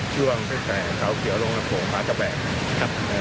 ช่วงที่แขกเขาเขียวลงระโภงพร้าทะแบกครับ